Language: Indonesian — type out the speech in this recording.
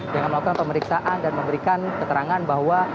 dengan melakukan pemeriksaan dan memberikan keterangan bahwa